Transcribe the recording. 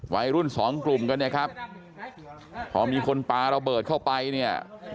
วัยรุ่นสองกลุ่มกันเนี่ยครับพอมีคนปลาระเบิดเข้าไปเนี่ย